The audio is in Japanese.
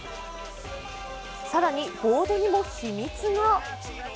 更に、ボードにも秘密が。